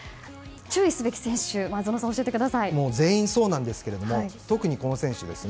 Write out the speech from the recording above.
注意すべき選手全員そうですが特にこの選手です。